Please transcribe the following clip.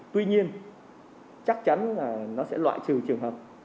tuy nhiên chắc chắn là nó sẽ loại trừ trường hợp